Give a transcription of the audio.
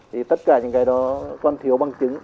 thì tất cả những cái đó còn thiếu bằng chứng